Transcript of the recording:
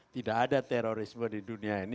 tidak ada terorisme di dunia ini